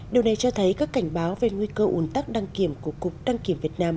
điều này cho thấy các cảnh báo về nguy cơ ủn tắc đăng kiểm của cục đăng kiểm việt nam